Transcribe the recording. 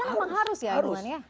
kan memang harus ya arunan ya